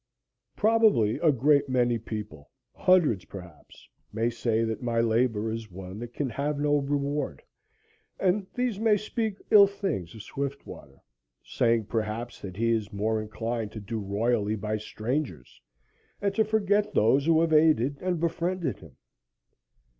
Probably a great many people hundreds, perhaps may say that my labor is one that can have no reward, and these may speak ill things of Swiftwater, saying, perhaps, that he is more inclined to do royally by strangers and to forget those who have aided and befriended him.